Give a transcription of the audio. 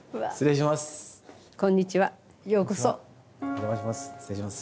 お邪魔します。